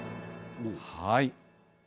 はい。